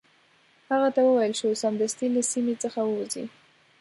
هغه ته وویل شو سمدستي له سیمي څخه ووزي.